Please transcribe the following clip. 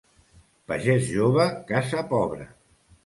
Pagès jove, casa pobra.